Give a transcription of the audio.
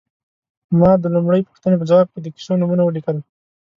ما د لومړۍ پوښتنې په ځواب کې د کیسو نومونه ولیکل.